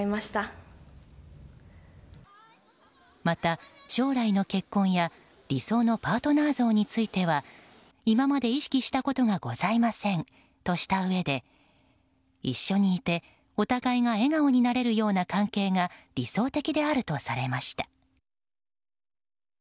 また、将来の結婚や理想のパートナー像については今まで意識したことがございませんとしたうえで一緒にいて、お互いが笑顔になれるような関係が理想的であるとされました。